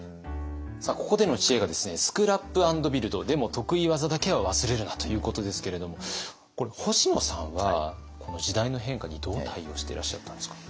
ここでの知恵が「スクラップ＆ビルドでも得意技だけは忘れるな！」ということですけれどもこれ星野さんはこの時代の変化にどう対応していらっしゃったんですか？